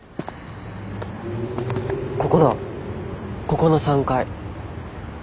ここだここの３階。